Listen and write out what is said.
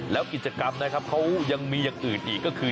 แล้วกิจกรรมนะครับเขายังมีอย่างอื่นอีกก็คือ